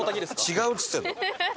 違うっつってんだ！